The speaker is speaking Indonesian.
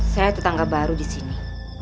saya tetangga baru disini